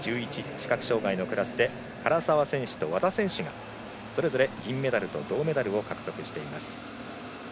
視覚障がいのクラスで唐澤選手と和田選手がそれぞれ銀メダルと銅メダルを獲得しています。